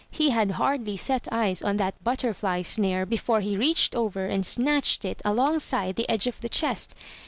He had hardly set eyes on that butterfly snare before he reached over and snatched it alongside the edge of the chest.